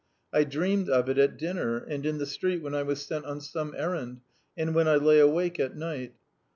I dreamed of it at dinner, and in the street when I was sent on some errand, and when I lay awake at night.